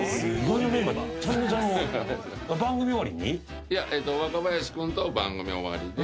いや若林君と番組終わりで。